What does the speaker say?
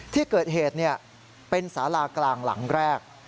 ที่เกิดเหตุเป็นสารากลางหลังแรก